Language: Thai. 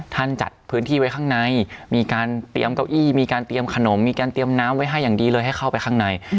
จัดพื้นที่ไว้ข้างในมีการเตรียมเก้าอี้มีการเตรียมขนมมีการเตรียมน้ำไว้ให้อย่างดีเลยให้เข้าไปข้างใน